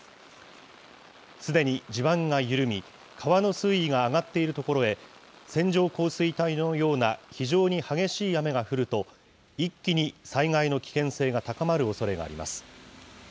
すでに地盤が緩み、川の水位が上がっているところへ、線状降水帯のような非常に激しい雨が降ると、一気に災害の危険性が高まるおそれがあります。